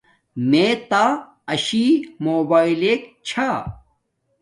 میےتا اشی موباݵلک چھا